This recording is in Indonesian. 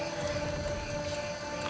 ya udah sam